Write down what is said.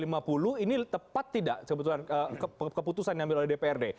ini tepat tidak sebetulnya keputusan diambil oleh dprd